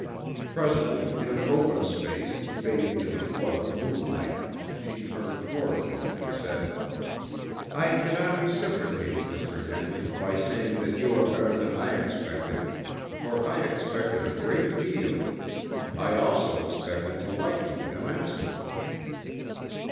Presently, in an open space, bathed in a flood of moonlight, she turned toward him and said: "I can not reciprocate, Mr. Henley, by saying that you are better than I expected, for I expected a great deal; I also expected to like you immensely."